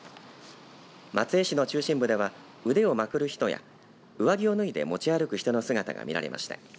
松江市の中心部では腕をまくる人や上着を脱いで持ち歩く人の姿が見られました。